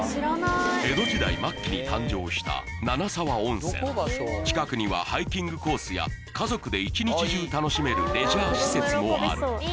江戸時代末期に誕生した七沢温泉近くにはハイキングコースや家族で一日中楽しめるレジャー施設もある